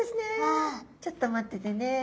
ちょっと待っててね。